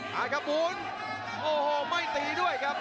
หากระบูนโอ้โหไม่ตีด้วยครับ